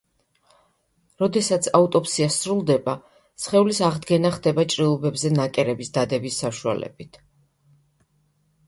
როდესაც აუტოპსია სრულდება სხეულის აღდგენა ხდება ჭრილობებზე ნაკერების დადების საშუალებით.